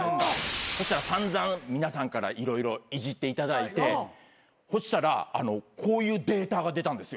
そしたら散々皆さんから色々いじっていただいてそしたらこういうデータが出たんですよ